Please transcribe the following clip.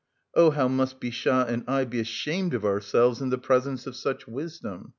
Oh how must Bichat and I be ashamed of ourselves in the presence of such wisdom!